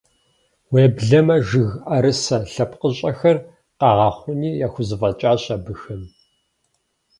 Уеблэмэ, жыг ӏэрысэ лъэпкъыщӏэхэр къагъэхъуни яхузэфӏэкӏащ абыхэм.